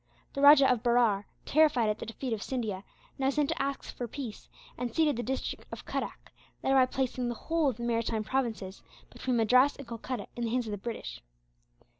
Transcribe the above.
The Rajah of Berar, terrified at the defeat of Scindia, now sent to ask for peace, and ceded the district of Cuttack; thereby placing the whole of the maritime provinces, between Madras and Calcutta, in the hands of the British.